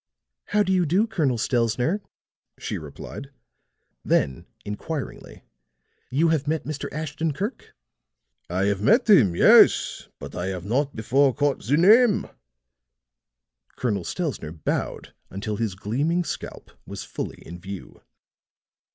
"How do you do, Colonel Stelzner?" she replied. Then inquiringly: "You have met Mr. Ashton Kirk?" "I have met him, yes, but I have not before caught the name." Colonel Stelzner bowed until his gleaming scalp was fully in view.